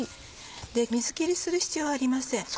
水切りする必要はありません